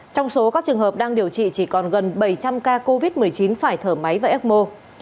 trong số các trường hợp đang điều trị chỉ còn gần bảy trăm linh ca covid một mươi chín phải thở máy và ecmo